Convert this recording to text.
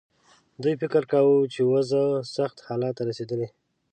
دوی فکر کاوه چې وضع سخت حالت ته رسېدلې.